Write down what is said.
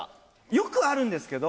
よくあるんですけど。